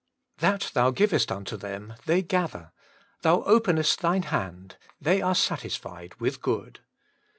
That Thou givest unto them, they gather : Thou openest Thine hand, they are satisfied with good.